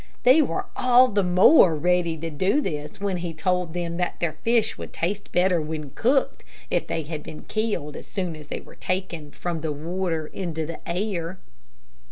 They were all the more ready to do this, when he told them that their fish would taste better when cooked, if they had been killed as soon as they were taken from the water into the air.